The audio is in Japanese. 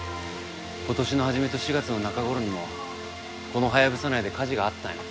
今年の初めと４月の中頃にもこのハヤブサ内で火事があったんや。